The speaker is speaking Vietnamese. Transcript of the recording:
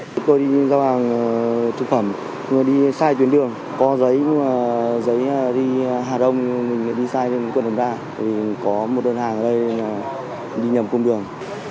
có một đơn hàng thực phẩm người đi sai tuyến đường có giấy đi hà đông mình đi sai tuyến đường ra có một đơn hàng ở đây đi nhầm cung đường